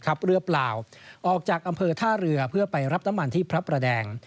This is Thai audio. เรือเปล่าออกจากอำเภอท่าเรือเพื่อไปรับน้ำมันที่พระประแดง